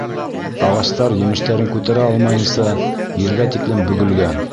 Ағастар емештәрен күтәрә алмайынса ергә тиклем бөгөлгән.